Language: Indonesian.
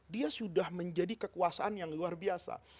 dia sudah menjadi kekuasaan yang luar biasa